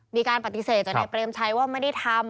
มีการปฏิเสธจากในเป็นใช้ว่าไม่ได้ทำ